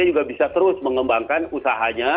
juga bisa terus mengembangkan usahanya